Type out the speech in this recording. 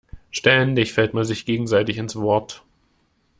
Ständig fällt man sich gegenseitig ins Wort.